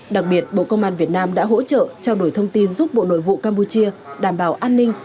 đặc biệt bộ công an việt nam đã hỗ trợ trao đổi thông tin giúp bộ nội vụ campuchia đảm bảo an ninh